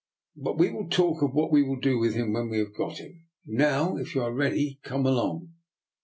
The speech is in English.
" But we will talk of what we will do with him when we have got him. Now, if you are ready, come along."